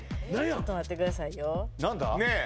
ちょっと待ってくださいよねえ！